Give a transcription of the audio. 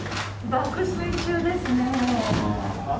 爆睡中ですね。